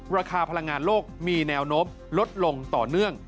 ราคาพลังงานโลกมีแนวโน้มลดลงต่อเนื่อง